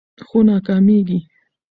خو ناکامیږي